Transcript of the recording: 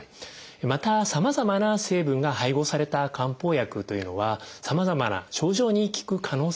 またさまざまな成分が配合された漢方薬というのはさまざまな症状に効く可能性があります。